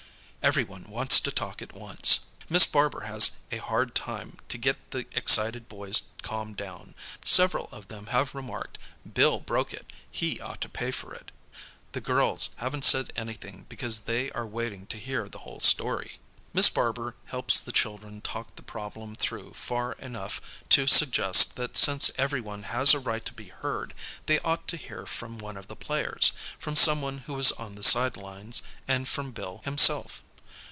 Everyone wants to talk at once. Miss Barber has a hard time to get the excited boys calmed down. Several of them have remarked, "Bill broke it. He ought to pay for it." The girls haven't said anything because they are v.aiting to hear the whole story. Miss Barber helps the children talk the problem through far enough to suggest that since everyone has a right to be heard, they ought to hear from one of the players, from someone who was on the sidelines, and from Bill himself.